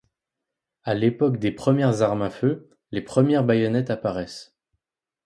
À l'époque des premières armes à feu, les premières baïonnettes apparaissent.